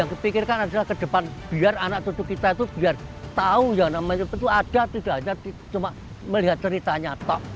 yang dipikirkan adalah ke depan biar anak anak kita itu tahu yang ada tidak hanya melihat ceritanya